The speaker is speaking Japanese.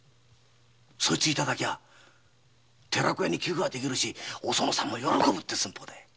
そいつを頂けば寺子屋に寄付はできるしおそのさんも喜ぶって寸法だ。